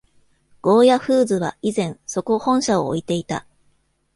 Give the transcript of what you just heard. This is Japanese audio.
ゴーヤ・フーズは以前、そこ本社を置いていた。